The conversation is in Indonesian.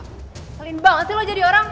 paling banget sih lo jadi orang